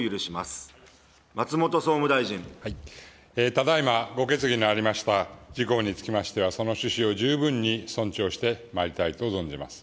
ただいまご決議のありました事項につきましては、その趣旨を十分に尊重してまいりたいと存じます。